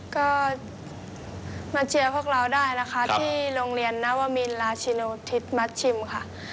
ก็มาเชียร์พวกเราได้นะคะที่โรงเรียนนวมินราชินูทิศมัชชิมค่ะ